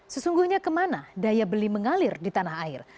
sesungguhnya kemana daya beli mengalir di tanah air